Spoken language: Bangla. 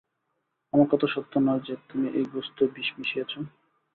আমার কথা সত্য নয় যে, তুমি এই গোস্তে বিষ মিশিয়েছ?